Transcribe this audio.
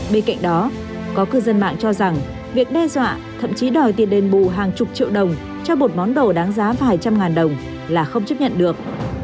bên cạnh đó có cư dân mạng cho rằng việc đe dọa thậm chí đòi tiền đền bù hàng chục triệu đồng cho một món đồ đáng giá vài trăm ngàn đồng là không chấp nhận được